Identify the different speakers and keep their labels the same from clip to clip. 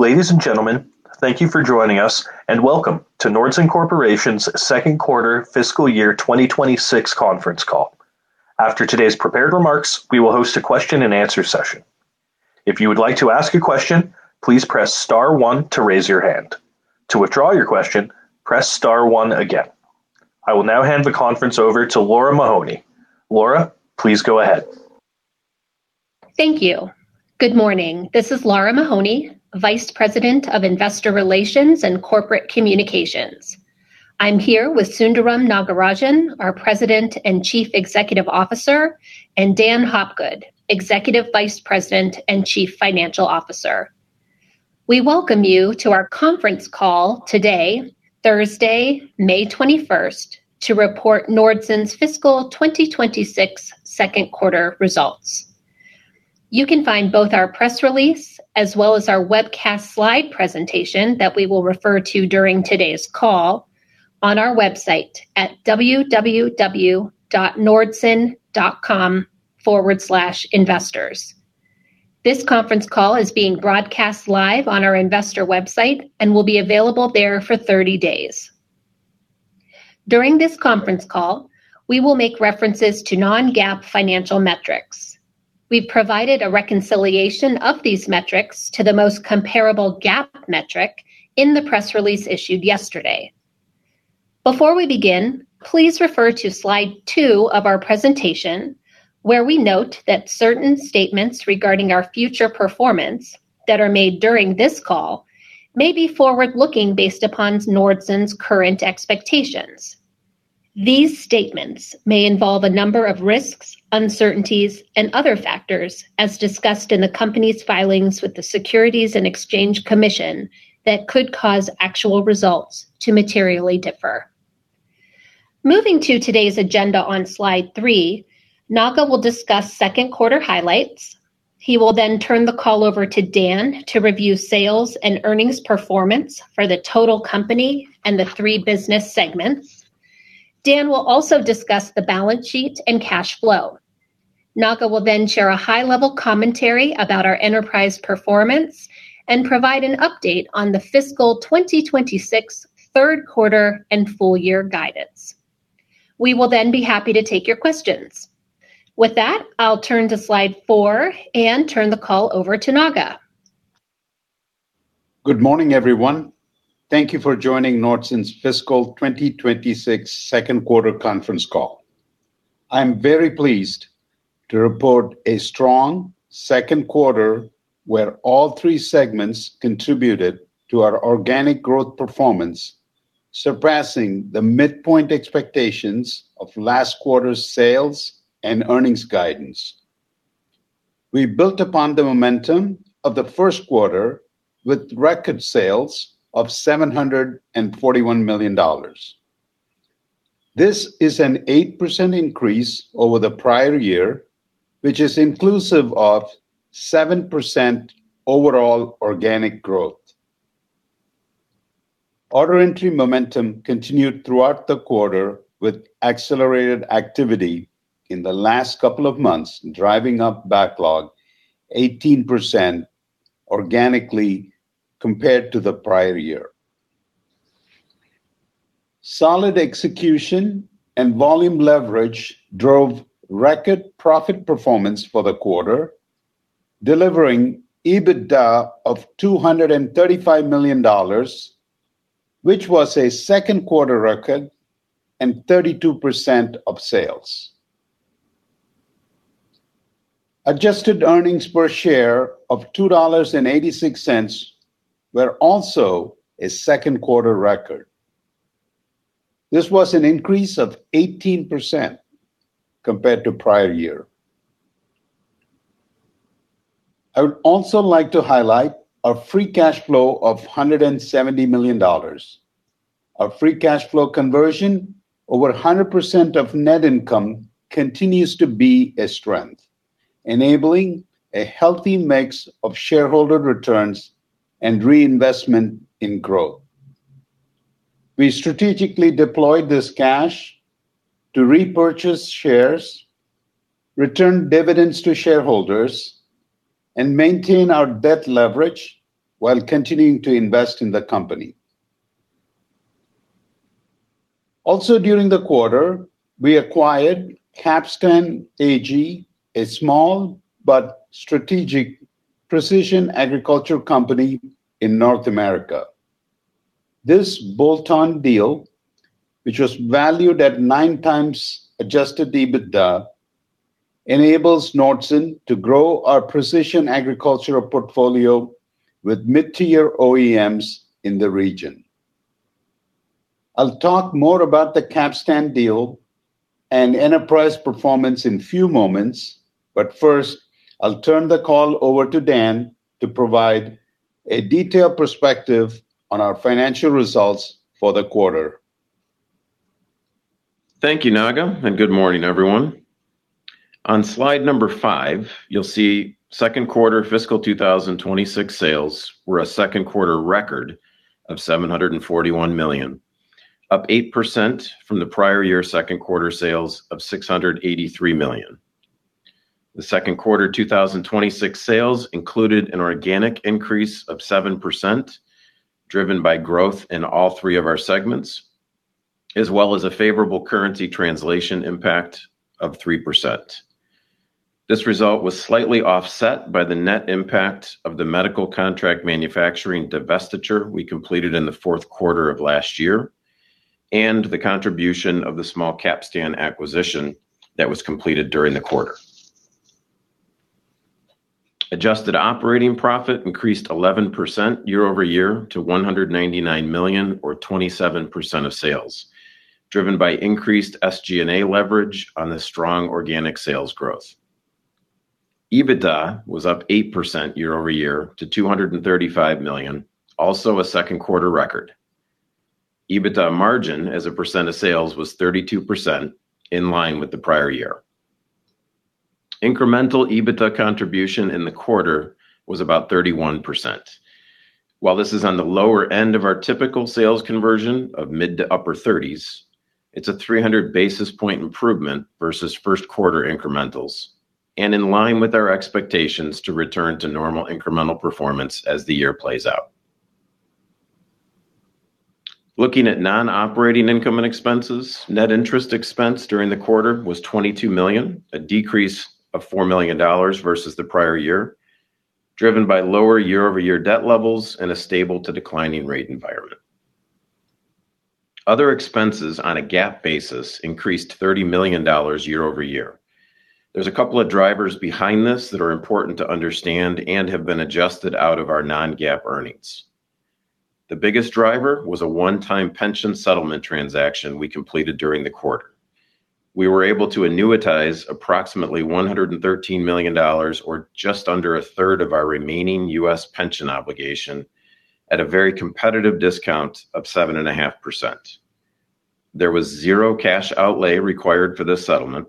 Speaker 1: Ladies and gentlemen, thank you for joining us and welcome to Nordson Corporation's second quarter fiscal year 2026 conference call. After today's prepared remarks, we will host a question-and-answer session. If you would like to ask a question, please press star one to raise your hand. To withdraw your question, press star one again. I will now hand the conference over to Lara Mahoney. Lara, please go ahead.
Speaker 2: Thank you. Good morning. This is Lara Mahoney, Vice President of Investor Relations and Corporate Communications. I'm here with Sundaram Nagarajan, our President and Chief Executive Officer, and Daniel Hopgood, Executive Vice President and Chief Financial Officer. We welcome you to our conference call today, Thursday, May 21st, to report Nordson's fiscal 2026 second quarter results. You can find both our press release as well as our webcast slide presentation that we will refer to during today's call on our website at www.nordson.com/investors. This conference call is being broadcast live on our investor website and will be available there for 30 days. During this conference call, we will make references to non-GAAP financial metrics. We've provided a reconciliation of these metrics to the most comparable GAAP metric in the press release issued yesterday. Before we begin, please refer to slide two of our presentation, where we note that certain statements regarding our future performance that are made during this call may be forward-looking based upon Nordson's current expectations. These statements may involve a number of risks, uncertainties, and other factors as discussed in the company's filings with the Securities and Exchange Commission that could cause actual results to materially differ. Moving to today's agenda on slide three, Naga will discuss second quarter highlights. He will then turn the call over to Dan to review sales and earnings performance for the total company and the three business segments. Dan will also discuss the balance sheet and cash flow. Naga will then share a high-level commentary about our enterprise performance and provide an update on the fiscal 2026 third quarter and full-year guidance. We will then be happy to take your questions. With that, I'll turn to slide four and turn the call over to Naga.
Speaker 3: Good morning, everyone. Thank you for joining Nordson's fiscal 2026 second quarter conference call. I'm very pleased to report a strong second quarter where all three segments contributed to our organic growth performance, surpassing the midpoint expectations of last quarter's sales and earnings guidance. We built upon the momentum of the first quarter with record sales of $741 million. This is an 8% increase over the prior year, which is inclusive of 7% overall organic growth. Order entry momentum continued throughout the quarter with accelerated activity in the last couple of months, driving up backlog 18% organically compared to the prior year. Solid execution and volume leverage drove record profit performance for the quarter, delivering EBITDA of $235 million, which was a second quarter record and 32% of sales. Adjusted earnings per share of $2.86 were also a second quarter record. This was an increase of 18% compared to prior year. I would also like to highlight our free cash flow of $170 million. Our free cash flow conversion over 100% of net income continues to be a strength, enabling a healthy mix of shareholder returns and reinvestment in growth. We strategically deployed this cash to repurchase shares, return dividends to shareholders, and maintain our debt leverage while continuing to invest in the company. During the quarter, we acquired CapstanAG, a small but strategic precision agriculture company in North America. This bolt-on deal, which was valued at 9 times adjusted EBITDA, enables Nordson to grow our precision agricultural portfolio with mid-tier OEMs in the region. I'll talk more about the Capstan deal and enterprise performance in few moments, first, I'll turn the call over to Dan to provide a detailed perspective on our financial results for the quarter.
Speaker 4: Thank you, Naga, and good morning, everyone. On slide number five, you'll see second quarter fiscal 2026 sales were a second quarter record of $741 million, up 8% from the prior year second quarter sales of $683 million. The second quarter 2026 sales included an organic increase of 7%, driven by growth in all three of our segments, as well as a favorable currency translation impact of 3%. This result was slightly offset by the net impact of the medical contract manufacturing divestiture we completed in the fourth quarter of last year, and the contribution of the small Capstan acquisition that was completed during the quarter. Adjusted operating profit increased 11% year-over-year to $199 million, or 27% of sales, driven by increased SG&A leverage on the strong organic sales growth. EBITDA was up 8% year-over-year to $235 million, also a second quarter record. EBITDA margin as a percent of sales was 32% in line with the prior year. Incremental EBITDA contribution in the quarter was about 31%. While this is on the lower end of our typical sales conversion of mid to upper 30%, it's a 300 basis point improvement versus first quarter incrementals, and in line with our expectations to return to normal incremental performance as the year plays out. Looking at non-operating income and expenses, net interest expense during the quarter was $22 million, a decrease of $4 million versus the prior year, driven by lower year-over-year debt levels and a stable to declining rate environment. Other expenses on a GAAP basis increased $30 million year-over-year. There's a couple of drivers behind this that are important to understand and have been adjusted out of our non-GAAP earnings. The biggest driver was a one-time pension settlement transaction we completed during the quarter. We were able to annuitize approximately $113 million, or just under 1/3 of our remaining U.S. pension obligation, at a very competitive discount of 7.5%. There was zero cash outlay required for this settlement.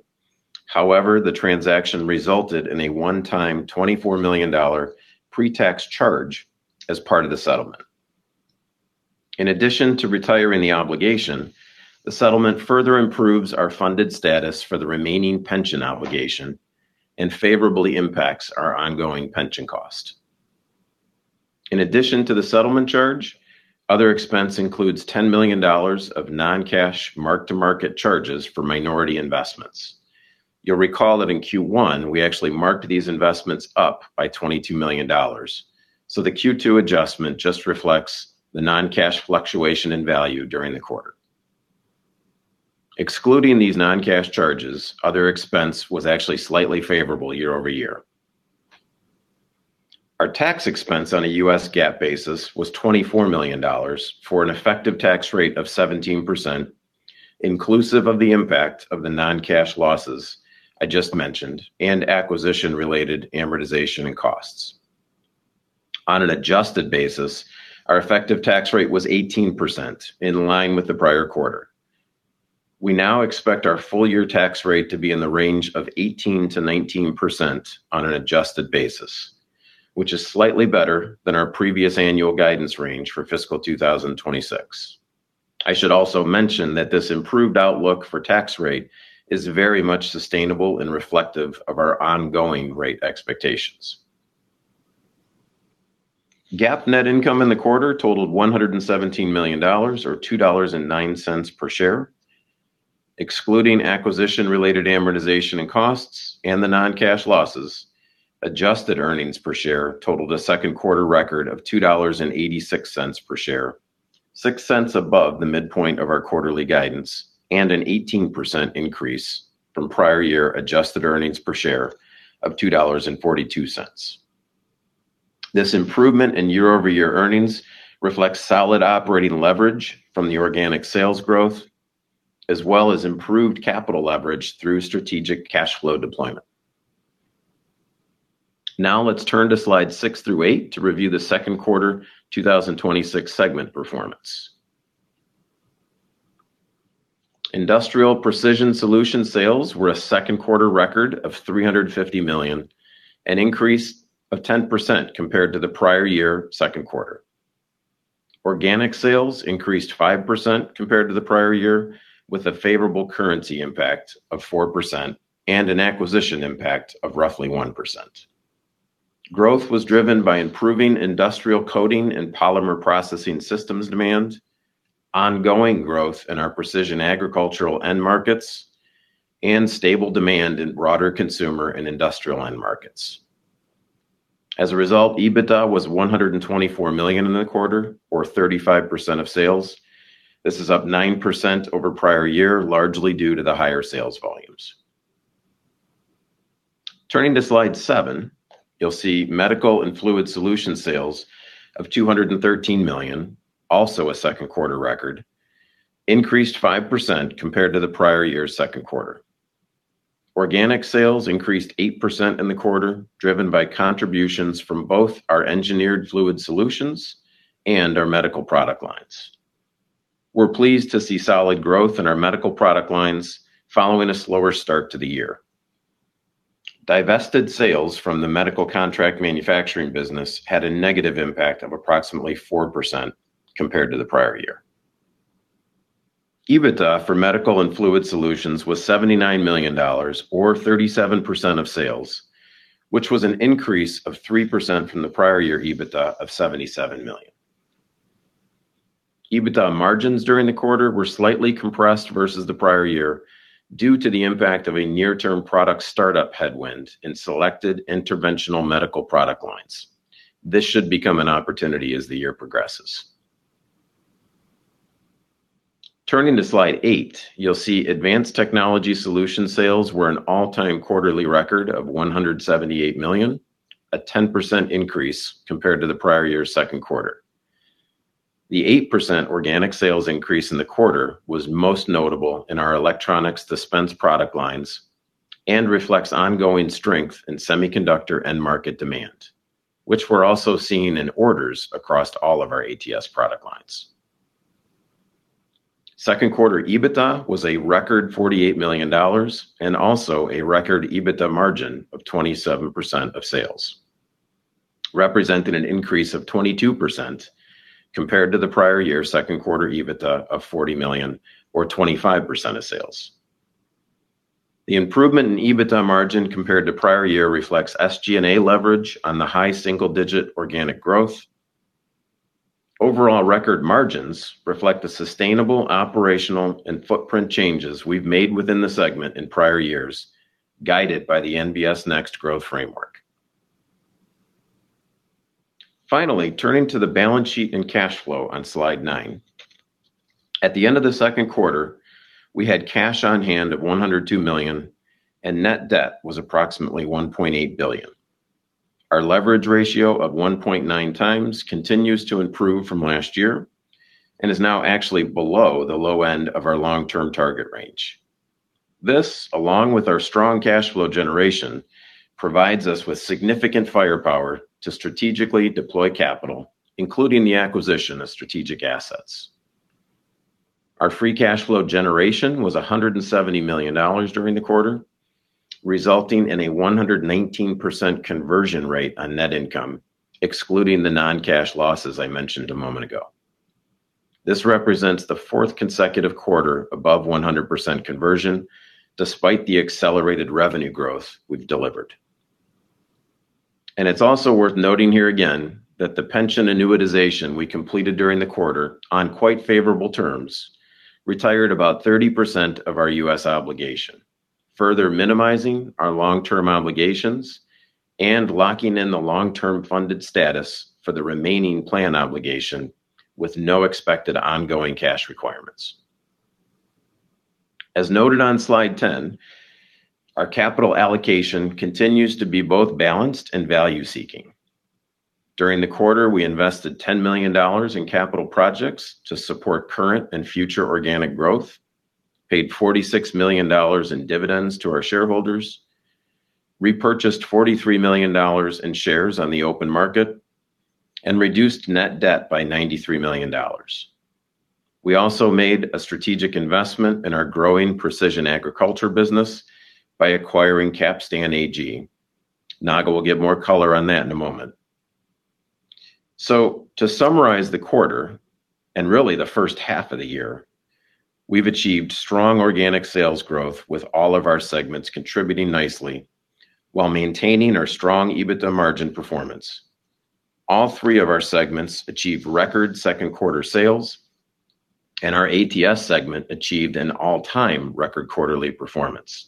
Speaker 4: However, the transaction resulted in a one-time $24 million pre-tax charge as part of the settlement. In addition to retiring the obligation, the settlement further improves our funded status for the remaining pension obligation and favorably impacts our ongoing pension cost. In addition to the settlement charge, other expense includes $10 million of non-cash mark-to-market charges for minority investments. You'll recall that in Q1, we actually marked these investments up by $22 million. The Q2 adjustment just reflects the non-cash fluctuation in value during the quarter. Excluding these non-cash charges, other expense was actually slightly favorable year-over-year. Our tax expense on a U.S. GAAP basis was $24 million, for an effective tax rate of 17%, inclusive of the impact of the non-cash losses I just mentioned, and acquisition-related amortization and costs. On an adjusted basis, our effective tax rate was 18%, in line with the prior quarter. We now expect our full-year tax rate to be in the range of 18%-19% on an adjusted basis, which is slightly better than our previous annual guidance range for fiscal 2026. I should also mention that this improved outlook for tax rate is very much sustainable and reflective of our ongoing rate expectations. GAAP net income in the quarter totaled $117 million, or $2.09 per share. Excluding acquisition-related amortization and costs and the non-cash losses, adjusted earnings per share totaled a second quarter record of $2.86 per share, $0.06 above the midpoint of our quarterly guidance, and an 18% increase from prior year adjusted earnings per share of $2.42. This improvement in year-over-year earnings reflects solid operating leverage from the organic sales growth, as well as improved capital leverage through strategic cash flow deployment. Now let's turn to slides six through eight to review the second quarter 2026 segment performance. Industrial Precision Solutions sales were a second quarter record of $350 million, an increase of 10% compared to the prior year second quarter. Organic sales increased 5% compared to the prior year, with a favorable currency impact of 4% and an acquisition impact of roughly 1%. Growth was driven by improving industrial coating and polymer processing systems demand, ongoing growth in our precision agricultural end markets, and stable demand in broader consumer and industrial end markets. As a result, EBITDA was $124 million in the quarter, or 35% of sales. This is up 9% over prior year, largely due to the higher sales volumes. Turning to slide seven, you'll see Medical and Fluid Solutions sales of $213 million, also a second quarter record, increased 5% compared to the prior year's second quarter. Organic sales increased 8% in the quarter, driven by contributions from both our engineered fluid solutions and our medical product lines. We're pleased to see solid growth in our medical product lines following a slower start to the year. Divested sales from the medical contract manufacturing business had a negative impact of approximately 4% compared to the prior year. EBITDA for Medical and Fluid Solutions was $79 million, or 37% of sales, which was an increase of 3% from the prior year EBITDA of $77 million. EBITDA margins during the quarter were slightly compressed versus the prior year due to the impact of a near-term product startup headwind in selected interventional medical product lines. This should become an opportunity as the year progresses. Turning to slide eight, you'll see Advanced Technology Solutions sales were an all-time quarterly record of $178 million, a 10% increase compared to the prior year's second quarter. The 8% organic sales increase in the quarter was most notable in our electronics dispense product lines and reflects ongoing strength in semiconductor end market demand, which we're also seeing in orders across all of our ATS product lines. Second quarter EBITDA was a record $48 million and also a record EBITDA margin of 27% of sales, representing an increase of 22% compared to the prior year second quarter EBITDA of $40 million or 25% of sales. The improvement in EBITDA margin compared to prior year reflects SG&A leverage on the high single-digit organic growth. Overall record margins reflect the sustainable operational and footprint changes we've made within the segment in prior years, guided by the NBS Next growth framework. Finally, turning to the balance sheet and cash flow on slide nine. At the end of the second quarter, we had cash on hand of $102 million, and net debt was approximately $1.8 billion. Our leverage ratio of 1.9 times continues to improve from last year and is now actually below the low end of our long-term target range. This, along with our strong cash flow generation, provides us with significant firepower to strategically deploy capital, including the acquisition of strategic assets. Our free cash flow generation was $170 million during the quarter, resulting in a 119% conversion rate on net income, excluding the non-cash losses I mentioned a moment ago. This represents the fourth consecutive quarter above 100% conversion, despite the accelerated revenue growth we've delivered. It's also worth noting here again that the pension annuitization we completed during the quarter, on quite favorable terms, retired about 30% of our U.S. obligation, further minimizing our long-term obligations and locking in the long-term funded status for the remaining plan obligation with no expected ongoing cash requirements. As noted on slide 10, our capital allocation continues to be both balanced and value-seeking. During the quarter, we invested $10 million in capital projects to support current and future organic growth, paid $46 million in dividends to our shareholders, repurchased $43 million in shares on the open market, and reduced net debt by $93 million. We also made a strategic investment in our growing precision agriculture business by acquiring CapstanAG. Naga will give more color on that in a moment. To summarize the quarter, and really the first half of the year, we've achieved strong organic sales growth with all of our segments contributing nicely while maintaining our strong EBITDA margin performance. All three of our segments achieved record second quarter sales, and our ATS segment achieved an all-time record quarterly performance.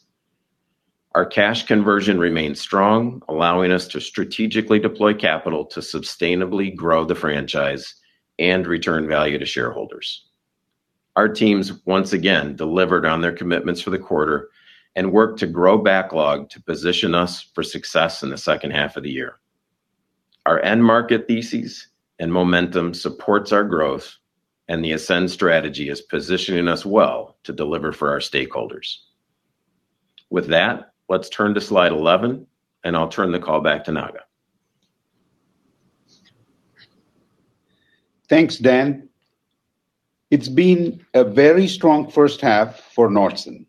Speaker 4: Our cash conversion remains strong, allowing us to strategically deploy capital to sustainably grow the franchise and return value to shareholders. Our teams once again delivered on their commitments for the quarter and worked to grow backlog to position us for success in the second half of the year. Our end market thesis and momentum supports our growth, and the Ascend strategy is positioning us well to deliver for our stakeholders. With that, let's turn to slide 11, and I'll turn the call back to Naga.
Speaker 3: Thanks, Dan. It's been a very strong first half for Nordson.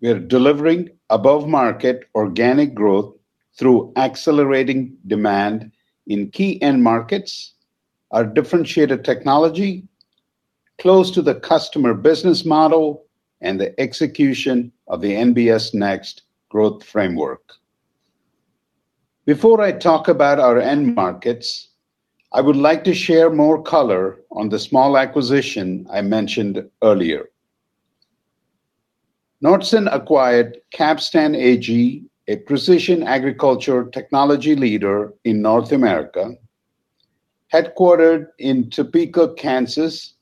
Speaker 3: We are delivering above-market organic growth through accelerating demand in key end markets, our differentiated technology, close to the customer business model, and the execution of the NBS Next growth framework. Before I talk about our end markets, I would like to share more color on the small acquisition I mentioned earlier. Nordson acquired CapstanAG, a precision agriculture technology leader in North America. Headquartered in Topeka, Kansas,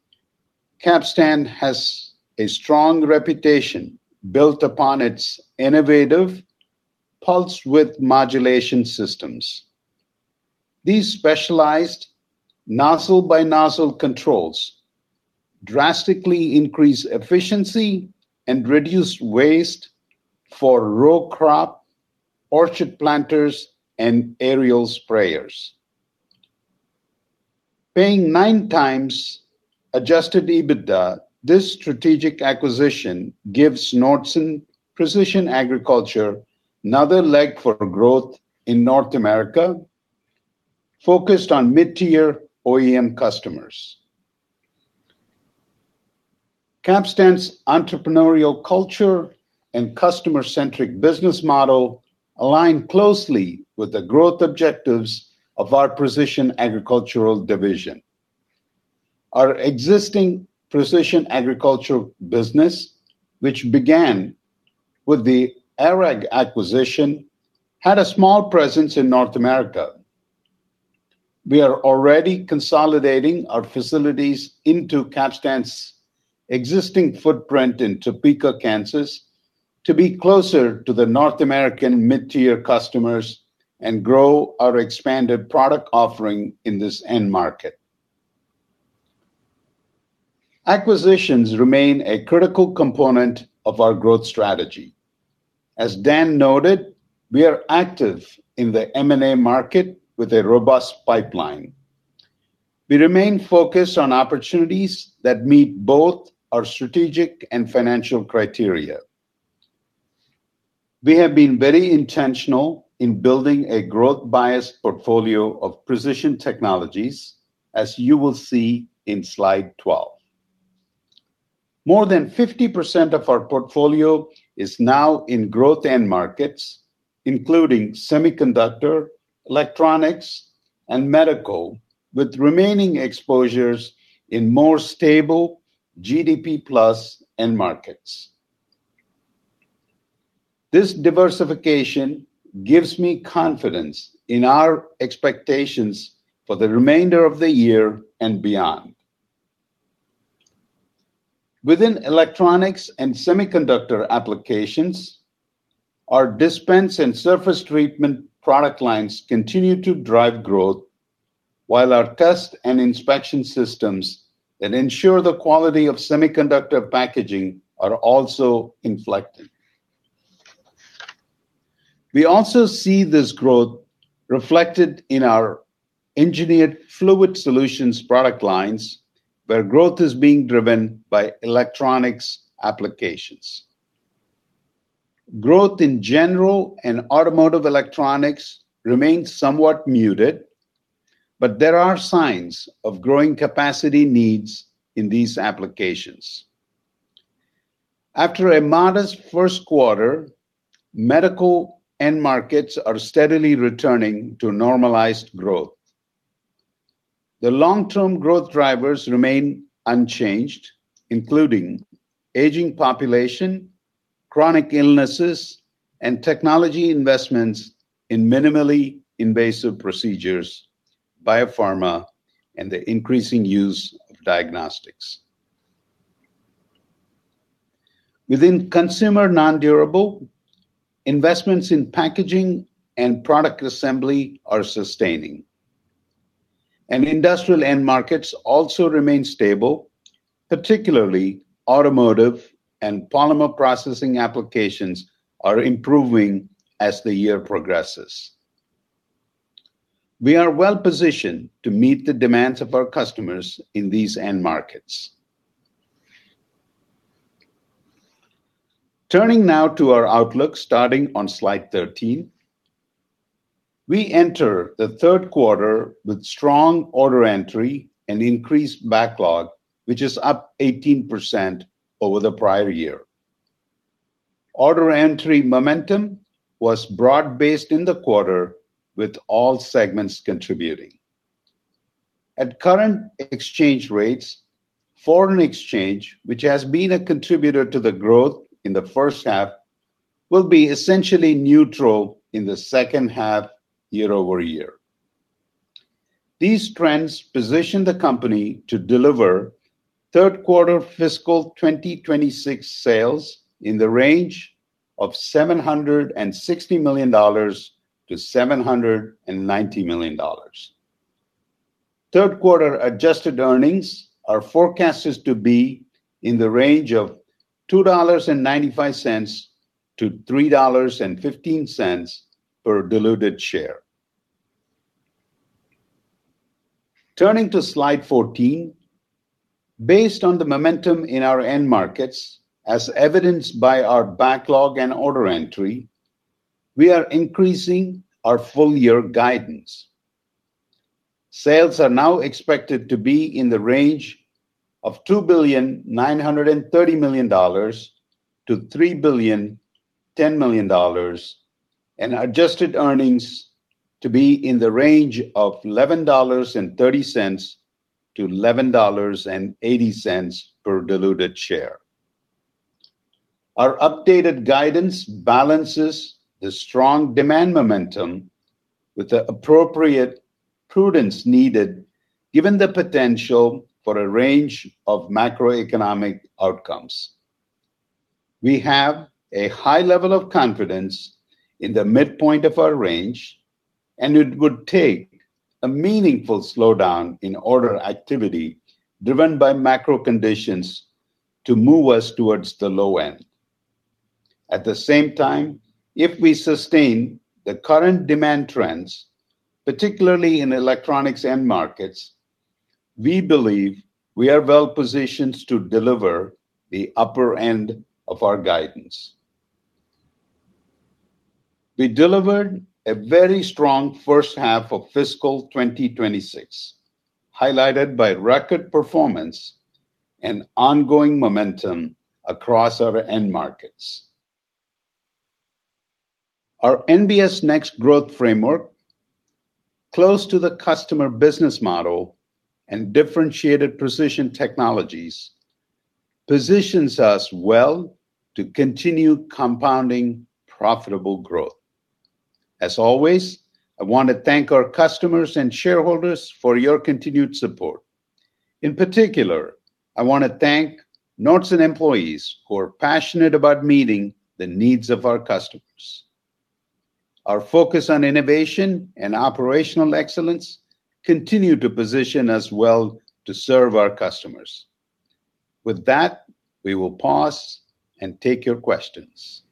Speaker 3: Capstan has a strong reputation built upon its innovative pulse width modulation systems. These specialized nozzle-by-nozzle controls drastically increase efficiency and reduce waste for row crop orchard planters and aerial sprayers. Paying 9 times adjusted EBITDA, this strategic acquisition gives Nordson Precision Agriculture another leg for growth in North America focused on mid-tier OEM customers. Capstan's entrepreneurial culture and customer-centric business model align closely with the growth objectives of our precision agricultural division. Our existing precision agricultural business, which began with the ARAG acquisition, had a small presence in North America. We are already consolidating our facilities into Capstan's existing footprint in Topeka, Kansas, to be closer to the North American mid-tier customers and grow our expanded product offering in this end market. Acquisitions remain a critical component of our growth strategy. As Dan noted, we are active in the M&A market with a robust pipeline. We remain focused on opportunities that meet both our strategic and financial criteria. We have been very intentional in building a growth-biased portfolio of precision technologies, as you will see in slide 12. More than 50% of our portfolio is now in growth end markets, including semiconductor, electronics, and medical, with remaining exposures in more stable GDP plus end markets. This diversification gives me confidence in our expectations for the remainder of the year and beyond. Within electronics and semiconductor applications, our dispense and surface treatment product lines continue to drive growth, while our test and inspection systems that ensure the quality of semiconductor packaging are also inflecting. We also see this growth reflected in our engineered fluid solutions product lines, where growth is being driven by electronics applications. Growth in general and automotive electronics remains somewhat muted, but there are signs of growing capacity needs in these applications. After a modest first quarter, medical end markets are steadily returning to normalized growth. The long-term growth drivers remain unchanged, including aging population, chronic illnesses, and technology investments in minimally invasive procedures, biopharma, and the increasing use of diagnostics. Within consumer non-durable, investments in packaging and product assembly are sustaining. Industrial end markets also remain stable, particularly automotive and polymer processing applications are improving as the year progresses. We are well-positioned to meet the demands of our customers in these end markets. Turning now to our outlook, starting on slide 13. We enter the third quarter with strong order entry and increased backlog, which is up 18% over the prior year. Order entry momentum was broad-based in the quarter, with all segments contributing. At current exchange rates, foreign exchange, which has been a contributor to the growth in the first half, will be essentially neutral in the second half year-over-year. These trends position the company to deliver third quarter fiscal 2026 sales in the range of $760 million-$790 million. Third quarter adjusted earnings are forecasted to be in the range of $2.95-$3.15 per diluted share. Turning to slide 14. Based on the momentum in our end markets, as evidenced by our backlog and order entry, we are increasing our full-year guidance. Sales are now expected to be in the range of $2.93 billion-$3.01 billion, and adjusted earnings to be in the range of $11.30-$11.80 per diluted share. Our updated guidance balances the strong demand momentum with the appropriate prudence needed, given the potential for a range of macroeconomic outcomes. We have a high level of confidence in the midpoint of our range, and it would take a meaningful slowdown in order activity driven by macro conditions to move us towards the low end. At the same time, if we sustain the current demand trends, particularly in electronics end markets, we believe we are well-positioned to deliver the upper end of our guidance. We delivered a very strong first half of fiscal 2026, highlighted by record performance and ongoing momentum across our end markets. Our NBS Next growth framework, close to the customer business model and differentiated precision technologies, positions us well to continue compounding profitable growth. As always, I want to thank our customers and shareholders for your continued support. In particular, I want to thank Nordson employees who are passionate about meeting the needs of our customers. Our focus on innovation and operational excellence continue to position us well to serve our customers. With that, we will pause and take your questions.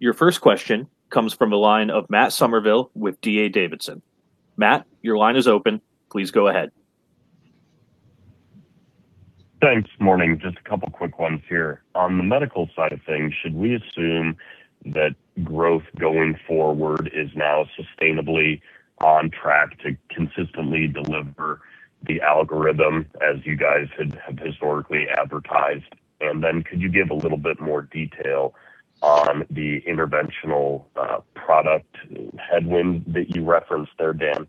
Speaker 1: Your first question comes from the line of Matt Summerville with D.A. Davidson. Matt, your line is open. Please go ahead.
Speaker 5: Thanks. Morning, just a couple of quick ones here. On the medical side of things, should we assume that growth going forward is now sustainably on track to consistently deliver the algorithm as you guys had historically advertised? Could you give a little bit more detail on the interventional product headwind that you referenced there, Dan?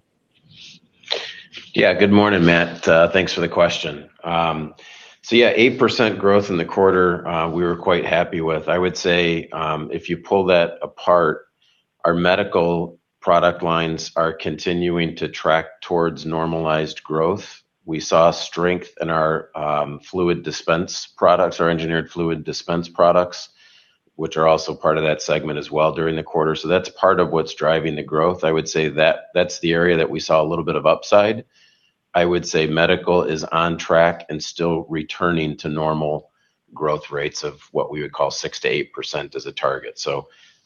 Speaker 4: Yeah. Good morning, Matt. Thanks for the question. 8% growth in the quarter, we were quite happy with. I would say, if you pull that apart, our medical product lines are continuing to track towards normalized growth. We saw strength in our engineered fluid dispense products, which are also part of that segment as well during the quarter. That's part of what's driving the growth. I would say that's the area that we saw a little bit of upside. I would say medical is on track and still returning to normal growth rates of what we would call 6%-8% as a target.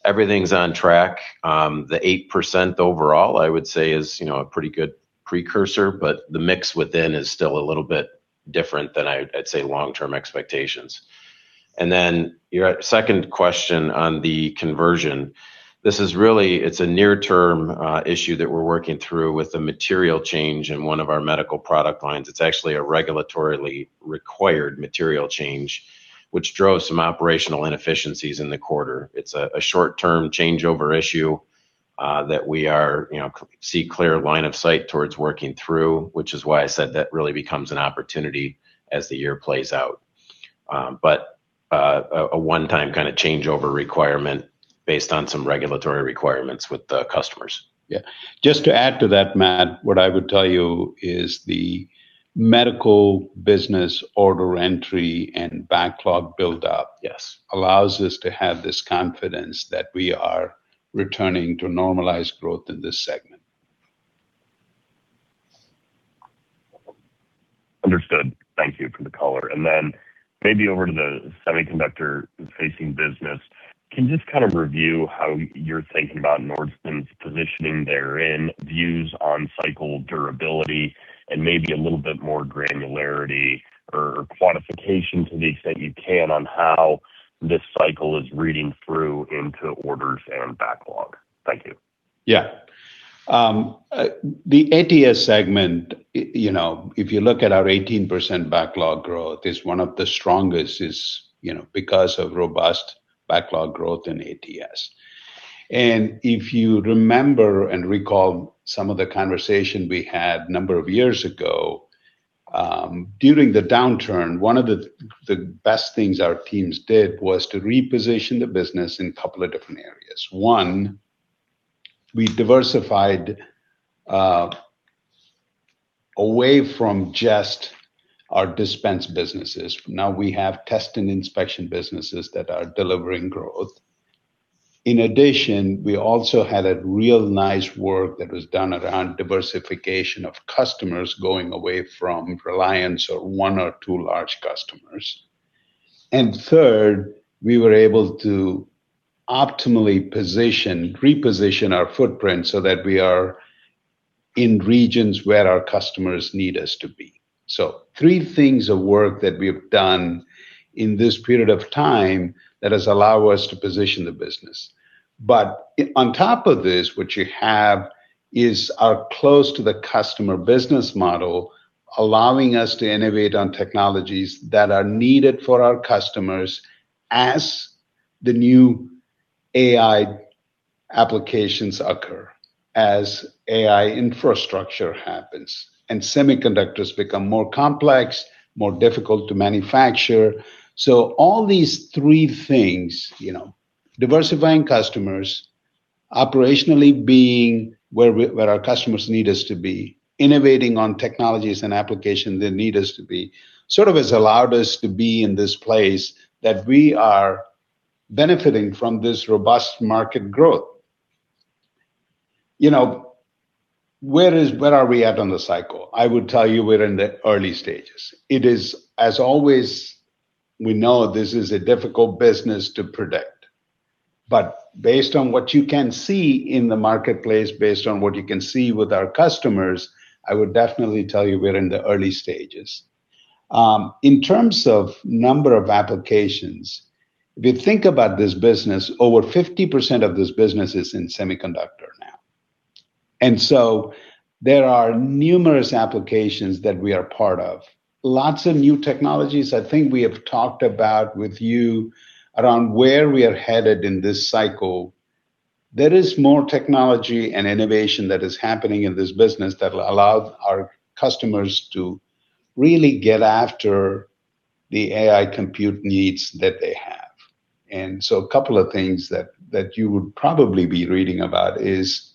Speaker 4: Everything's on track. The 8% overall, I would say is a pretty good precursor, but the mix within is still a little bit different than I'd say long-term expectations. Then your second question on the conversion. This is really a near-term issue that we're working through with the material change in one of our medical product lines. It's actually a regulatorily required material change, which drove some operational inefficiencies in the quarter. It's a short-term changeover issue that we see clear line of sight towards working through, which is why I said that really becomes an opportunity as the year plays out. A one-time kind of changeover requirement based on some regulatory requirements with the customers.
Speaker 3: Just to add to that, Matt, what I would tell you is the medical business order entry and backlog buildup allows us to have this confidence that we are returning to normalized growth in this segment.
Speaker 5: Understood, thank you for the color. Then maybe over to the semiconductor-facing business. Can you just kind of review how you're thinking about Nordson's positioning therein, views on cycle durability, and maybe a little bit more granularity or quantification to the extent you can on how this cycle is reading through into orders and backlog? Thank you.
Speaker 3: Yeah. The ATS segment, if you look at our 18% backlog growth, is one of the strongest because of robust backlog growth in ATS. If you remember and recall some of the conversation we had a number of years ago, during the downturn, one of the best things our teams did was to reposition the business in a couple of different areas. One, we diversified away from just our dispense businesses. Now we have test and inspection businesses that are delivering growth. In addition, we also had a real nice work that was done around diversification of customers going away from reliance on one or two large customers. Third, we were able to optimally reposition our footprint so that we are in regions where our customers need us to be. Three things of work that we've done in this period of time that has allowed us to position the business. On top of this, what you have is our close to the customer business model, allowing us to innovate on technologies that are needed for our customers as the new AI applications occur, as AI infrastructure happens, and semiconductors become more complex, more difficult to manufacture. All these three things, diversifying customers, operationally being where our customers need us to be, innovating on technologies and application they need us to be, sort of has allowed us to be in this place that we are benefiting from this robust market growth. Where are we at on the cycle? I would tell you we're in the early stages. It is, as always, we know this is a difficult business to predict, but based on what you can see in the marketplace, based on what you can see with our customers, I would definitely tell you we're in the early stages. In terms of number of applications, if you think about this business, over 50% of this business is in semiconductor now. There are numerous applications that we are part of. Lots of new technologies, I think we have talked about with you around where we are headed in this cycle. There is more technology and innovation that is happening in this business that will allow our customers to really get after the AI compute needs that they have. A couple of things that you would probably be reading about is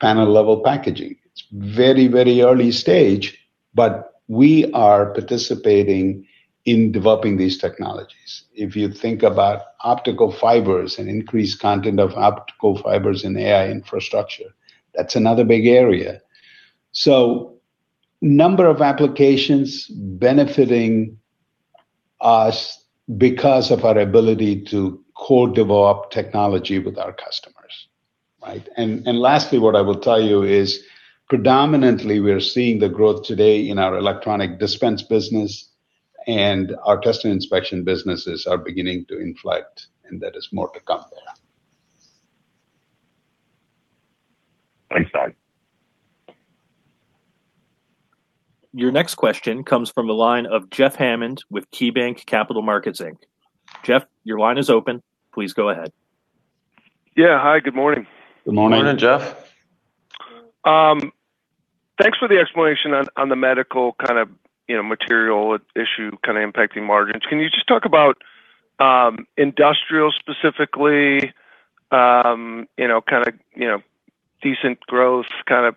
Speaker 3: panel-level packaging. It's very early stage, but we are participating in developing these technologies. If you think about optical fibers and increased content of optical fibers in AI infrastructure, that's another big area. number of applications benefiting us because of our ability to co-develop technology with our customers. Right? Lastly, what I will tell you is predominantly, we are seeing the growth today in our electronics dispense business and our test and inspection businesses are beginning to inflect, and that is more to come there.
Speaker 5: Thanks, Nag.
Speaker 1: Your next question comes from the line of Jeff Hammond with KeyBanc Capital Markets Inc. Jeff, your line is open. Please go ahead.
Speaker 6: Yeah. Hi, good morning.
Speaker 3: Good morning.
Speaker 4: Good morning, Jeff.
Speaker 6: Thanks for the explanation on the medical kind of material issue impacting margins. Can you just talk about industrial specifically, kind of decent growth, kind of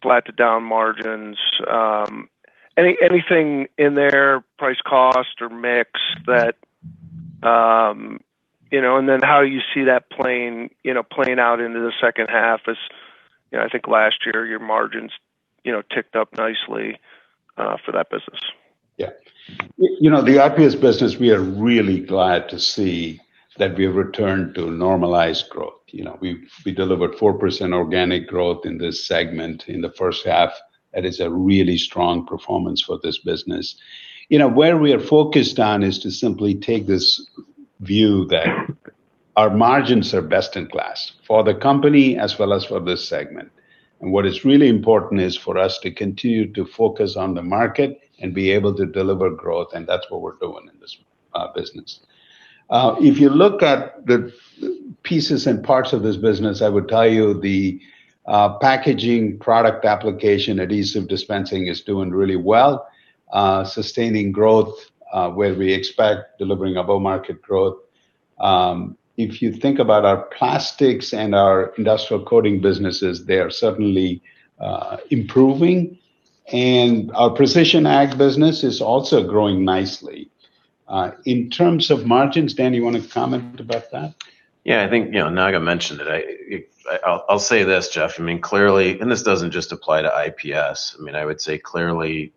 Speaker 6: flat to down margins? Anything in there, price cost or mix, and then how you see that playing out into the second half as I think last year your margins ticked up nicely for that business?
Speaker 3: Yeah. The IPS business, we are really glad to see that we have returned to normalized growth. We delivered 4% organic growth in this segment in the first half. That is a really strong performance for this business. Where we are focused on is to simply take this view that our margins are best in class for the company as well as for this segment. What is really important is for us to continue to focus on the market and be able to deliver growth, and that's what we're doing in this business. If you look at the pieces and parts of this business, I would tell you the packaging product application, adhesive dispensing is doing really well, sustaining growth, where we expect delivering above-market growth. If you think about our plastics and our industrial coating businesses, they are certainly improving. Our precision ag business is also growing nicely. In terms of margins, Dan, you want to comment about that?
Speaker 4: Yeah. I think Naga mentioned it. I'll say this, Jeff, I mean, clearly, and this doesn't just apply to IPS. I would say clearly,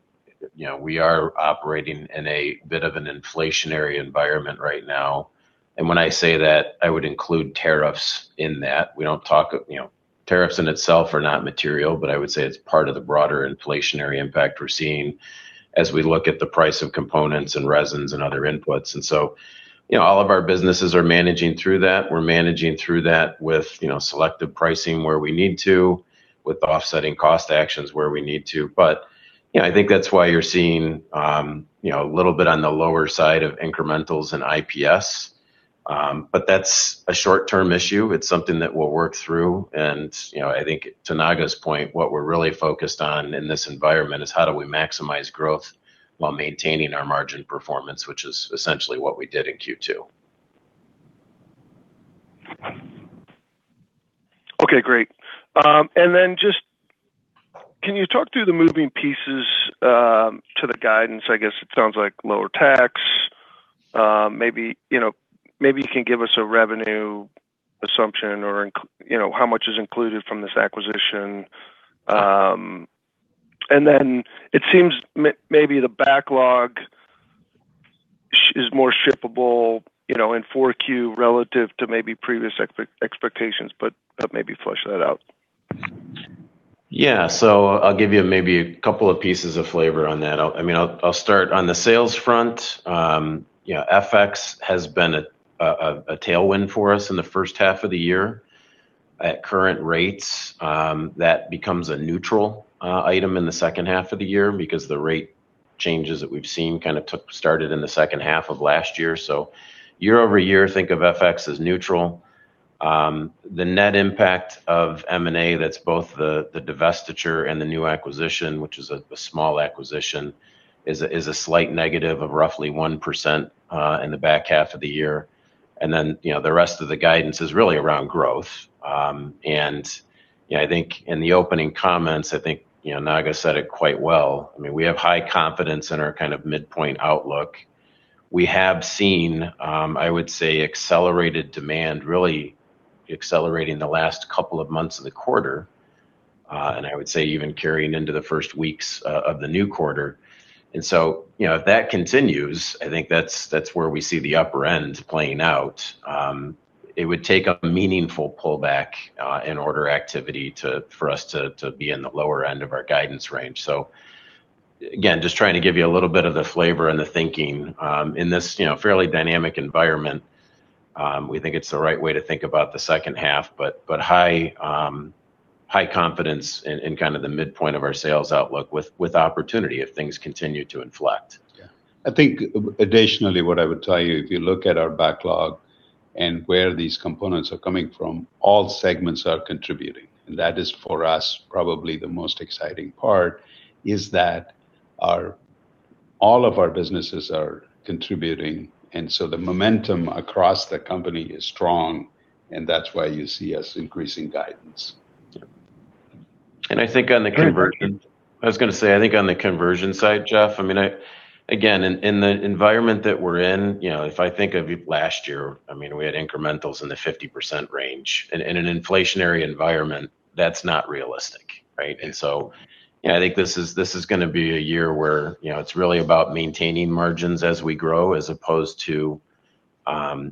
Speaker 4: we are operating in a bit of an inflationary environment right now. When I say that, I would include tariffs in that. Tariffs in itself are not material, but I would say it's part of the broader inflationary impact we're seeing as we look at the price of components and resins and other inputs. All of our businesses are managing through that. We're managing through that with selective pricing where we need to, with offsetting cost actions where we need to. I think that's why you're seeing a little bit on the lower side of incrementals and IPS. That's a short-term issue. It's something that we'll work through, and I think to Naga's point, what we're really focused on in this environment is how do we maximize growth while maintaining our margin performance, which is essentially what we did in Q2.
Speaker 6: Okay, great. Just can you talk through the moving pieces to the guidance? I guess it sounds like lower tax. Maybe you can give us a revenue assumption or how much is included from this acquisition? It seems maybe the backlog is more shippable in 4Q relative to maybe previous expectations, but maybe flush that out.
Speaker 4: Yeah, I'll give you maybe a couple of pieces of flavor on that. I'll start on the sales front. FX has been a tailwind for us in the first half of the year. At current rates, that becomes a neutral item in the second half of the year because the rate changes that we've seen kind of started in the second half of last year. Year-over-year, think of FX as neutral. The net impact of M&A, that's both the divestiture and the new acquisition, which is a small acquisition, is a slight negative of roughly 1% in the back half of the year. The rest of the guidance is really around growth. I think in the opening comments, I think Naga said it quite well. We have high confidence in our midpoint outlook. We have seen, I would say, accelerated demand really accelerating the last couple of months of the quarter, I would say even carrying into the first weeks of the new quarter. If that continues, I think that's where we see the upper end playing out. It would take a meaningful pullback in order activity for us to be in the lower end of our guidance range. Again, just trying to give you a little bit of the flavor and the thinking in this fairly dynamic environment. We think it's the right way to think about the second half, high confidence in the midpoint of our sales outlook with opportunity if things continue to inflect.
Speaker 3: Yeah. I think additionally, what I would tell you, if you look at our backlog and where these components are coming from, all segments are contributing. That is, for us, probably the most exciting part is that all of our businesses are contributing. The momentum across the company is strong, and that's why you see us increasing guidance.
Speaker 4: Yeah. I think on the conversion side, Jeff, again, in the environment that we're in, if I think of last year, we had incrementals in the 50% range. In an inflationary environment, that's not realistic, right? I think this is going to be a year where it's really about maintaining margins as we grow, as opposed to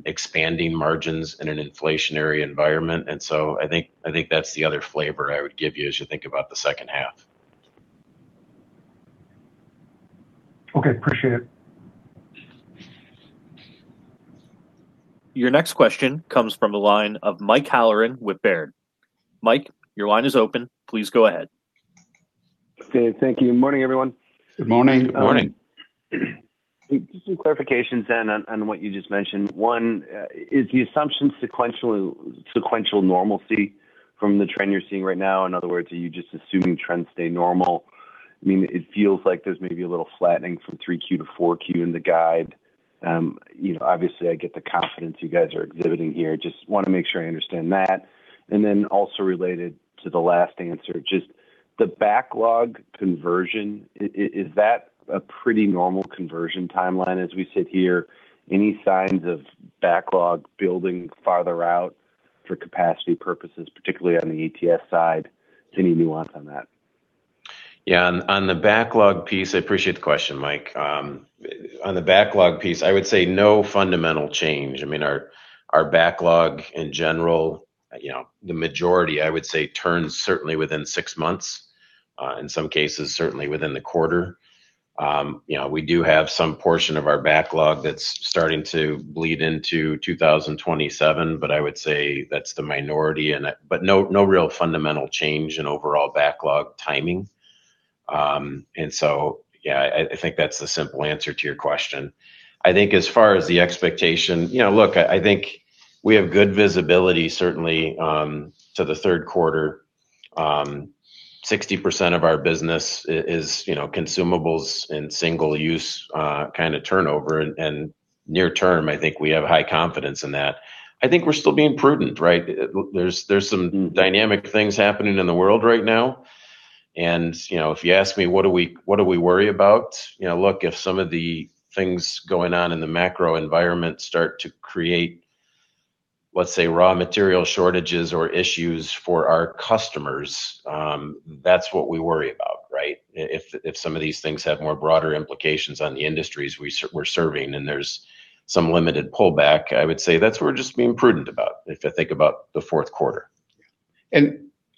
Speaker 4: expanding margins in an inflationary environment. I think that's the other flavor I would give you as you think about the second half.
Speaker 6: Okay, appreciate it.
Speaker 1: Your next question comes from the line of Mike Halloran with Baird. Mike, your line is open. Please go ahead.
Speaker 7: Okay, thank you. Morning, everyone.
Speaker 3: Good morning.
Speaker 4: Morning.
Speaker 7: Just some clarifications then on what you just mentioned. One, is the assumption sequential normalcy from the trend you are seeing right now? In other words, are you just assuming trends stay normal? It feels like there is maybe a little flattening from 3Q to 4Q in the guide. Obviously, I get the confidence you guys are exhibiting here. I just want to make sure I understand that. Also related to the last answer, just the backlog conversion, is that a pretty normal conversion timeline as we sit here? Any signs of backlog building farther out for capacity purposes, particularly on the ATS side? Just any nuance on that?
Speaker 4: Yeah. On the backlog piece, I appreciate the question, Mike. On the backlog piece, I would say no fundamental change. Our backlog in general, the majority, I would say, turns certainly within six months. In some cases, certainly within the quarter. We do have some portion of our backlog that's starting to bleed into 2027, but I would say that's the minority in it. No real fundamental change in overall backlog timing. Yeah, I think that's the simple answer to your question. I think as far as the expectation, look, I think we have good visibility, certainly, to the third quarter. 60% of our business is consumables and single use kind of turnover. Near term, I think we have high confidence in that. I think we're still being prudent, right? There's some dynamic things happening in the world right now. If you ask me, what do we worry about? Look, if some of the things going on in the macro environment start to create, let's say, raw material shortages or issues for our customers, that's what we worry about, right? If some of these things have more broader implications on the industries we're serving, and there's some limited pullback, I would say that's what we're just being prudent about if I think about the fourth quarter.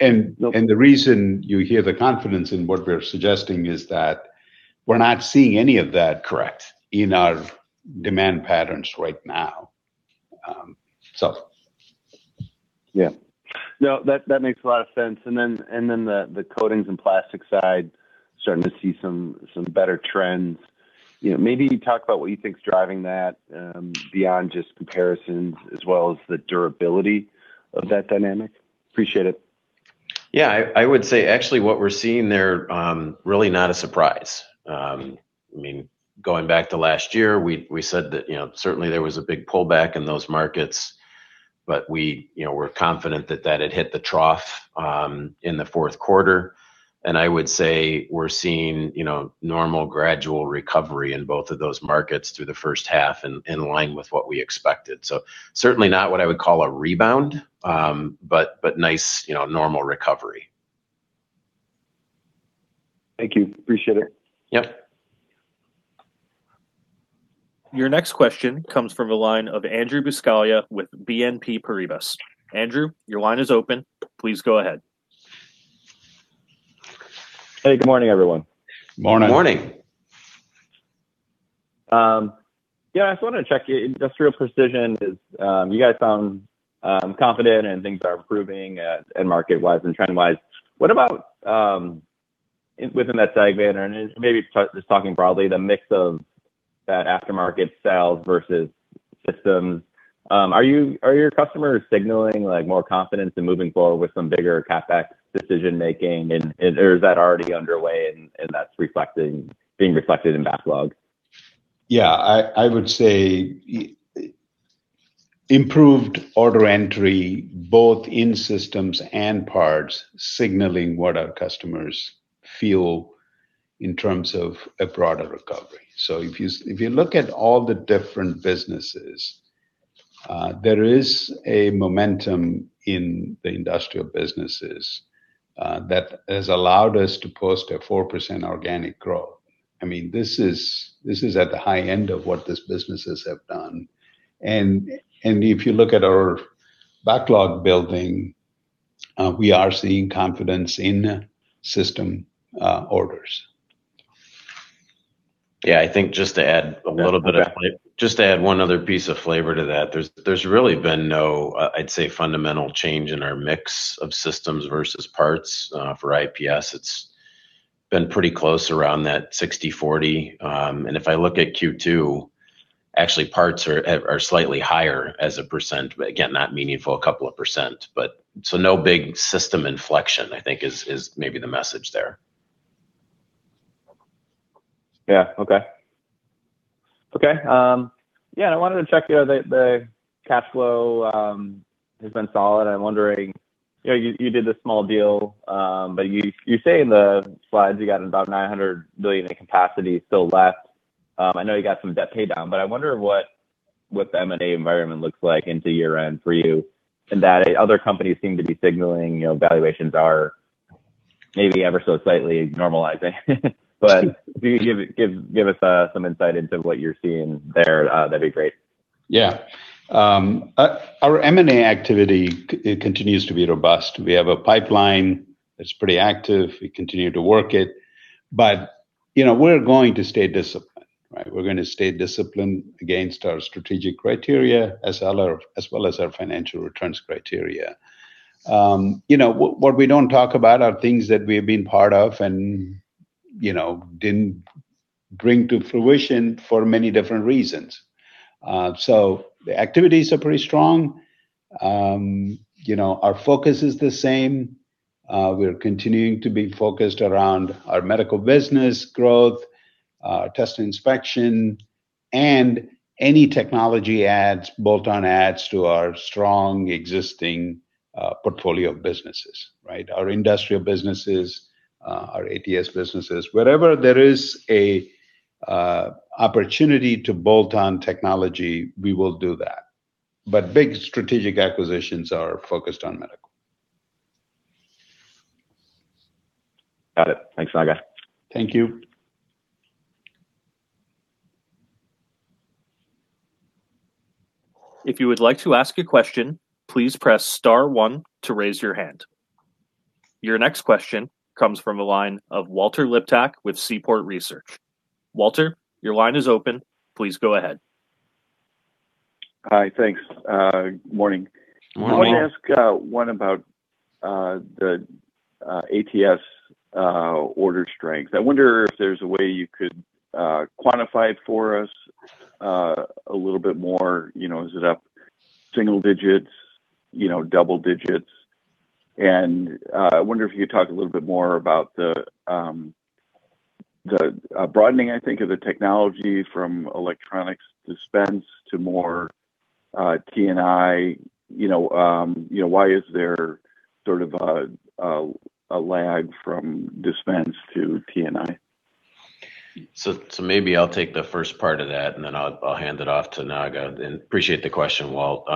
Speaker 3: The reason you hear the confidence in what we're suggesting is that we're not seeing any of that, correct, in our demand patterns right now.
Speaker 7: Yeah. No, that makes a lot of sense. Then the coatings and plastic side, starting to see some better trends. Maybe talk about what you think is driving that, beyond just comparisons, as well as the durability of that dynamic? Appreciate it.
Speaker 4: Yeah. I would say, actually what we're seeing there, really not a surprise. Going back to last year, we said that certainly there was a big pullback in those markets, but we were confident that that had hit the trough in the fourth quarter. I would say we're seeing normal gradual recovery in both of those markets through the first half, in line with what we expected. Certainly not what I would call a rebound, but nice normal recovery.
Speaker 7: Thank you, appreciate it.
Speaker 4: Yep.
Speaker 1: Your next question comes from the line of Andrew Buscaglia with BNP Paribas. Andrew, your line is open. Please go ahead.
Speaker 8: Hey, good morning, everyone.
Speaker 4: Morning.
Speaker 3: Morning.
Speaker 8: Yeah, I just wanted to check your Industrial Precision is. You guys sound confident, and things are improving at end market-wise and trend-wise. What about within that segment, or maybe just talking broadly, the mix of that aftermarket sales versus systems? Are your customers signaling more confidence in moving forward with some bigger CapEx decision making, and is that already underway? That's being reflected in backlog.
Speaker 3: I would say improved order entry, both in systems and parts, signaling what our customers feel in terms of a broader recovery. If you look at all the different businesses, there is a momentum in the industrial businesses that has allowed us to post a 4% organic growth. This is at the high end of what these businesses have done. If you look at our backlog building, we are seeing confidence in system orders.
Speaker 4: Yeah, I think just to add one other piece of flavor to that, there's really been no, I'd say, fundamental change in our mix of systems versus parts for IPS. It's been pretty close around that 60/40. If I look at Q2, actually parts are slightly higher as a percent, but again, not meaningful, a couple of percent. No big system inflection, I think is maybe the message there.
Speaker 8: Yeah, okay. Yeah, I wanted to check the cash flow has been solid. I'm wondering, you did a small deal, you say in the slides you got about $900 million in capacity still left. I know you got some debt pay down, I wonder what the M&A environment looks like into year-end for you, in that other companies seem to be signaling valuations are maybe ever so slightly normalizing. If you could give us some insight into what you're seeing there, that'd be great.
Speaker 3: Yeah, our M&A activity continues to be robust. We have a pipeline that's pretty active. We continue to work it. We're going to stay disciplined, right? We're going to stay disciplined against our strategic criteria, as well as our financial returns criteria. What we don't talk about are things that we've been part of and didn't bring to fruition for many different reasons. The activities are pretty strong. Our focus is the same. We're continuing to be focused around our medical business growth, test and inspection, and any technology adds, bolt-on adds to our strong existing portfolio of businesses, right? Our industrial businesses, our ATS businesses. Wherever there is an opportunity to bolt on technology, we will do that. Big strategic acquisitions are focused on medical.
Speaker 8: Got it. Thanks, Naga.
Speaker 3: Thank you.
Speaker 1: If you would like to ask a question, please press star one to raise your hand. Your next question comes from the line of Walter Liptak with Seaport Research. Walter, your line is open. Please go ahead.
Speaker 9: Hi, thanks. Good morning.
Speaker 3: Morning.
Speaker 4: Morning.
Speaker 9: I want to ask one about the ATS order strength. I wonder if there's a way you could quantify it for us a little bit more. Is it up single digits, double digits? I wonder if you could talk a little bit more about the broadening, I think, of the technology from electronics dispense to more T&I. Why is there sort of a lag from dispense to T&I?
Speaker 4: Maybe I'll take the first part of that, and then I'll hand it off to Naga, and appreciate the question, Walt.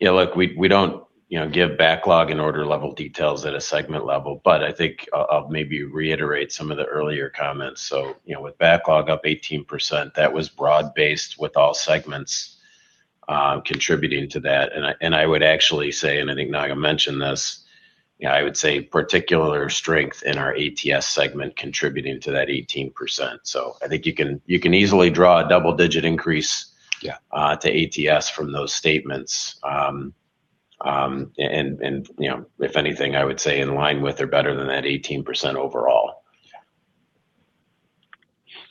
Speaker 4: Yeah, look, we don't give backlog and order level details at a segment level, but I think I'll maybe reiterate some of the earlier comments. With backlog up 18%, that was broad-based with all segments contributing to that, and I would actually say, and I think Naga mentioned this, I would say particular strength in our ATS segment contributing to that 18%. I think you can easily draw a double-digit increase to ATS from those statements. If anything, I would say in line with or better than that 18% overall.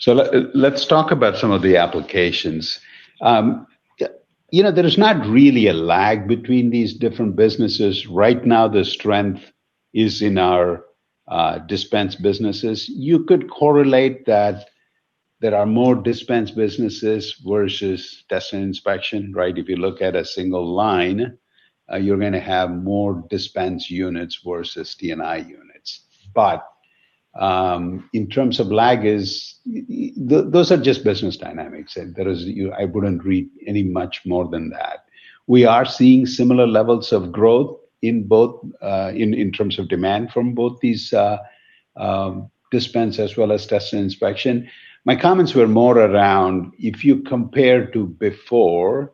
Speaker 3: Let's talk about some of the applications. There is not really a lag between these different businesses. Right now, the strength is in our dispense businesses. You could correlate that there are more dispense businesses versus test and inspection, right? If you look at a single line, you're going to have more dispense units versus T&I units. In terms of lag, those are just business dynamics, and I wouldn't read any much more than that. We are seeing similar levels of growth in terms of demand from both these dispense as well as test and inspection. My comments were more around if you compare to before,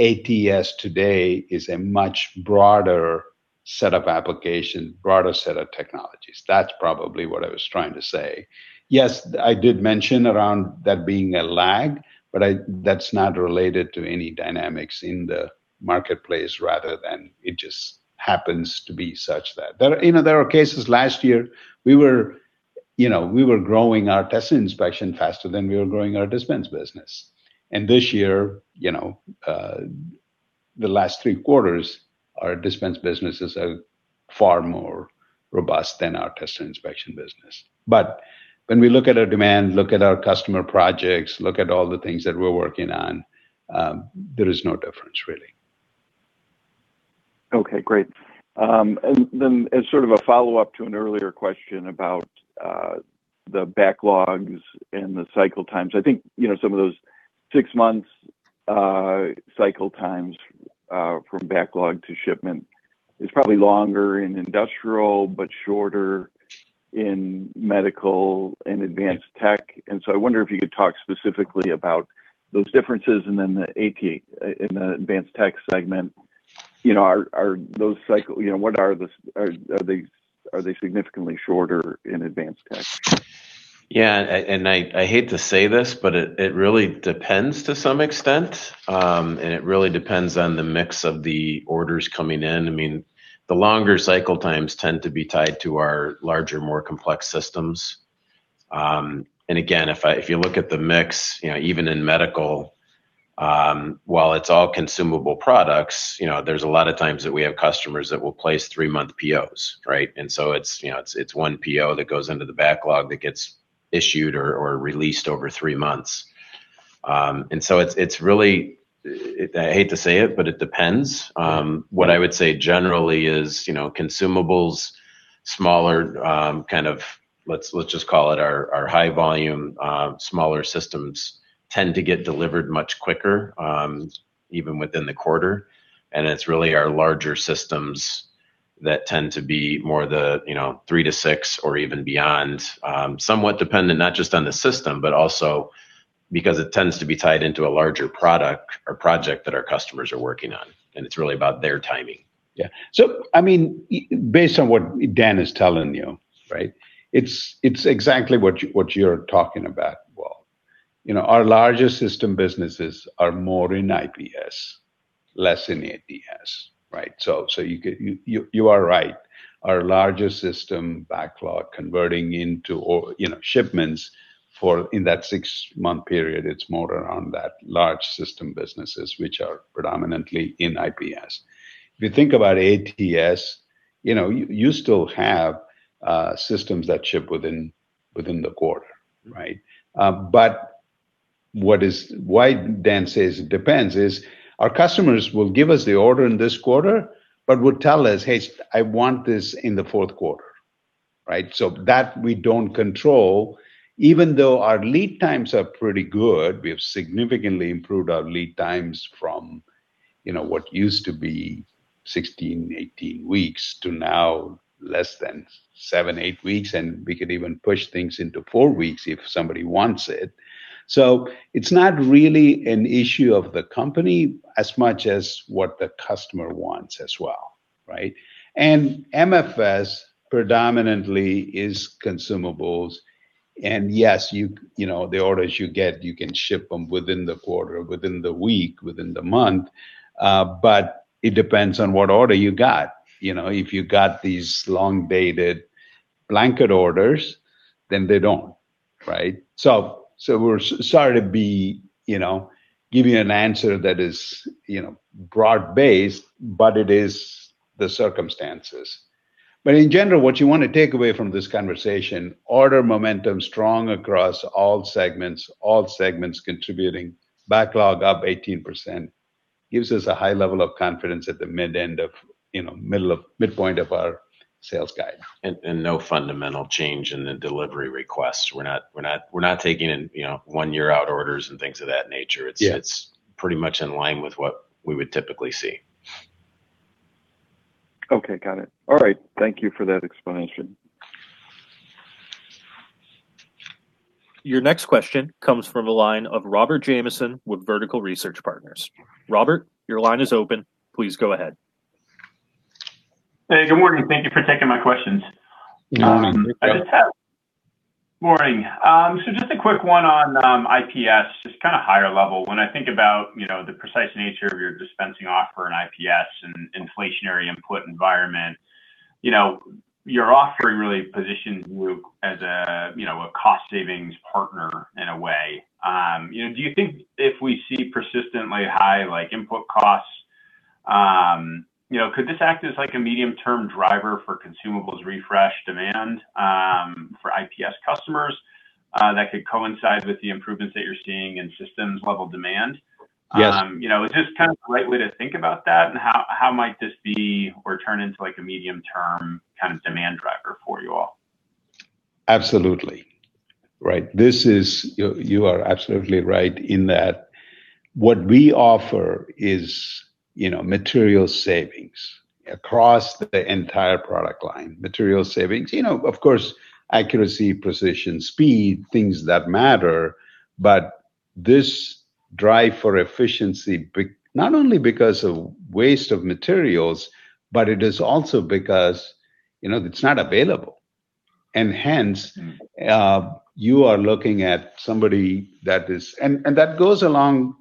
Speaker 3: ATS today is a much broader set of applications, broader set of technologies. That's probably what I was trying to say. Yes, I did mention around that being a lag, but that's not related to any dynamics in the marketplace, rather than it just happens to be such that. There were cases last year, we were growing our test and inspection faster than we were growing our dispense business. This year, the last three quarters, our dispense business is far more robust than our test and inspection business. When we look at our demand, look at our customer projects, look at all the things that we're working on, there is no difference really.
Speaker 9: Okay, great. Then as sort of a follow-up to an earlier question about the backlogs and the cycle times. I think some of those six months cycle times from backlog to shipment is probably longer in industrial but shorter in medical and advanced tech. So I wonder if you could talk specifically about those differences, and then the AT in the Advanced Tech segment. Are they significantly shorter in Advanced Tech?
Speaker 4: Yeah, I hate to say this, it really depends to some extent. It really depends on the mix of the orders coming in. The longer cycle times tend to be tied to our larger, more complex systems. Again, if you look at the mix, even in medical, while it's all consumable products, there's a lot of times that we have customers that will place three-month POs, right? It's one PO that goes into the backlog that gets issued or released over three months. It's really, I hate to say it depends. What I would say generally is, consumables, smaller kind of, let's just call it our high volume smaller systems tend to get delivered much quicker, even within the quarter. It's really our larger systems that tend to be more the three to six or even beyond, somewhat dependent not just on the system, but also because it tends to be tied into a larger product or project that our customers are working on, and it's really about their timing.
Speaker 3: Yeah. Based on what Dan is telling you, right? It's exactly what you're talking about. Well, our largest system businesses are more in IPS, less in ATS, right? You are right. Our largest system backlog converting into shipments in that six-month period, it's more around that large system businesses, which are predominantly in IPS. If you think about ATS, you still have systems that ship within the quarter, right? Why Dan says it depends is our customers will give us the order in this quarter, but would tell us, "Hey, I want this in the fourth quarter," right? That we don't control, even though our lead times are pretty good. We have significantly improved our lead times from what used to be 16, 18 weeks to now less than seven, eight weeks, and we could even push things into four weeks if somebody wants it. It's not really an issue of the company as much as what the customer wants as well, right? MFS predominantly is consumables. Yes, the orders you get, you can ship them within the quarter, within the week, within the month. It depends on what order you got. If you got these long-dated blanket orders, then they don't, right? We're sorry to give you an answer that is broad-based, but it is the circumstances. In general, what you want to take away from this conversation, order momentum strong across all segments, all segments contributing, backlog up 18%, gives us a high level of confidence at the midpoint of our sales guide.
Speaker 4: No fundamental change in the delivery requests. We're not taking one-year-out orders and things of that nature.
Speaker 3: Yes.
Speaker 4: It's pretty much in line with what we would typically see.
Speaker 9: Okay, got it. All right, thank you for that explanation.
Speaker 1: Your next question comes from the line of Robert Jamieson with Vertical Research Partners. Robert, your line is open. Please go ahead.
Speaker 10: Hey, good morning. Thank you for taking my questions.
Speaker 3: Good morning.
Speaker 4: Good morning.
Speaker 10: Morning. Just a quick one on IPS, just kind of higher level. When I think about the precise nature of your dispensing offer in IPS and inflationary input environment, your offering really positions you as a cost savings partner in a way. Do you think if we see persistently high input costs, could this act as like a medium-term driver for consumables refresh demand for IPS customers that could coincide with the improvements that you're seeing in systems level demand?
Speaker 3: Yes.
Speaker 10: Is this kind of the right way to think about that? How might this be or turn into like a medium term kind of demand driver for you all?
Speaker 3: Absolutely. You are absolutely right in that what we offer is material savings across the entire product line. Material savings, of course, accuracy, precision, speed, things that matter. This drive for efficiency, not only because of waste of materials, but it is also because it's not available. Hence, you are looking at somebody that goes along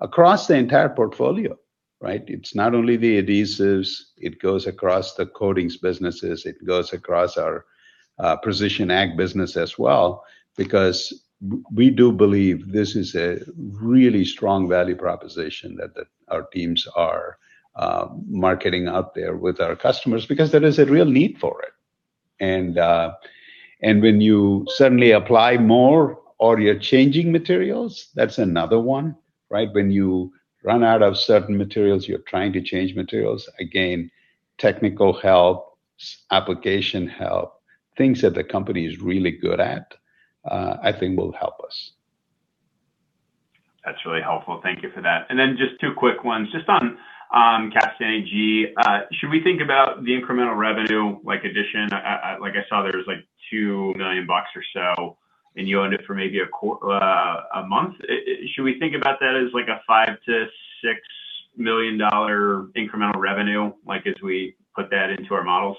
Speaker 3: across the entire portfolio, right? It's not only the adhesives, it goes across the coatings businesses, it goes across our precision ag business as well, because we do believe this is a really strong value proposition that our teams are marketing out there with our customers because there is a real need for it. When you suddenly apply more or you're changing materials, that's another one. When you run out of certain materials, you're trying to change materials. Technical help, application help, things that the company is really good at, I think will help us.
Speaker 10: That's really helpful, thank you for that. Just two quick ones, just on CapstanAG. Should we think about the incremental revenue addition? I saw there was $2 million or so, and you owned it for maybe a month. Should we think about that as a $5 million-$6 million incremental revenue as we put that into our models?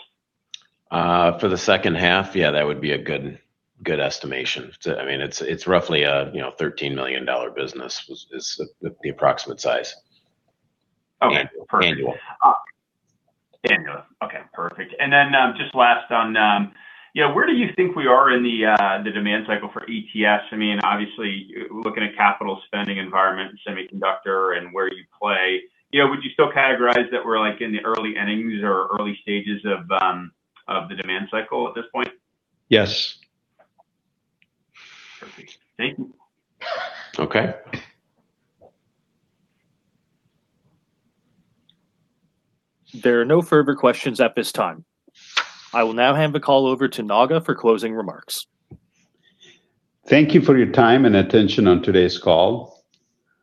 Speaker 4: For the second half? Yeah, that would be a good estimation. It's roughly a $13 million business, is the approximate size.
Speaker 10: Okay, perfect.
Speaker 4: Annual.
Speaker 10: Annual? Okay, perfect. Then just last on, where do you think we are in the demand cycle for ATS? Obviously, looking at capital spending environment and semiconductor and where you play. Would you still categorize that we're in the early innings or early stages of the demand cycle at this point?
Speaker 4: Yes.
Speaker 10: Perfect. Thank you.
Speaker 4: Okay.
Speaker 1: There are no further questions at this time. I will now hand the call over to Naga for closing remarks.
Speaker 3: Thank you for your time and attention on today's call.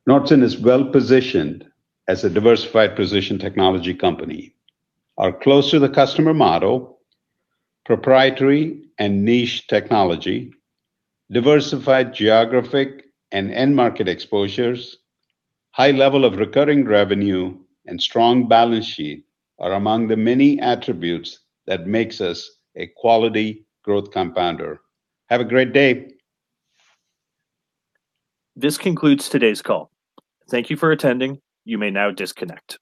Speaker 3: Nordson is well-positioned as a diversified precision technology company. Our close-to-the-customer model, proprietary and niche technology, diversified geographic and end-market exposures, high level of recurring revenue, and strong balance sheet are among the many attributes that makes us a quality growth compounder. Have a great day.
Speaker 1: This concludes today's call. Thank you for attending. You may now disconnect.